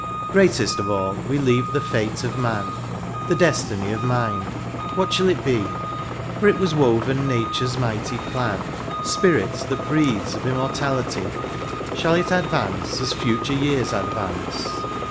Greatest of all, we leave the fate of man ; The destiny of mind, what shall it be ? For it was woven nature's mighty plan : Spirit that breathes of immortality. Shall it advance, as future years advance.